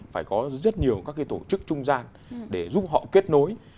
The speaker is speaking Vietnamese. phải có rất nhiều các tổ chức trung gian để giúp họ kết nối